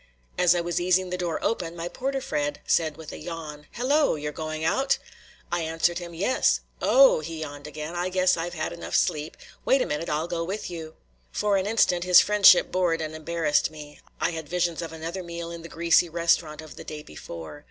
As I was easing the door open, my porter friend said with a yawn: "Hello! You're going out?" I answered him: "Yes." "Oh!" he yawned again, "I guess I've had enough sleep; wait a minute, I'll go with you." For the instant his friendship bored and embarrassed me. I had visions of another meal in the greasy restaurant of the day before.